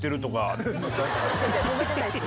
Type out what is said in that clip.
揉めてないです